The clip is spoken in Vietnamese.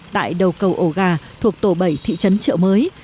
tại đầu cầu ổ gà thuộc tổ bảy thị trấn trợ mới